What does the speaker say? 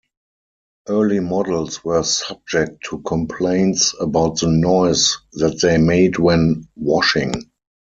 Early models were subject to complaints about the noise that they made when washing.